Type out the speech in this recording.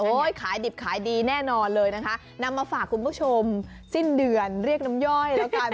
ขายดิบขายดีแน่นอนเลยนะคะนำมาฝากคุณผู้ชมสิ้นเดือนเรียกน้ำย่อยแล้วกัน